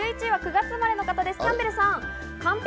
１１位は９月生まれの方、キャンベルさん。